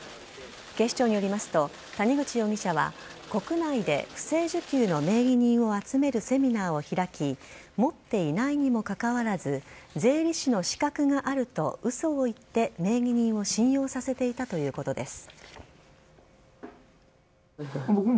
警視庁によりますと谷口容疑者は国内で不正受給の名義人を集めるセミナーを開き持っていないにもかかわらず税理士の資格があると嘘を言って名義人を信用させていたということです。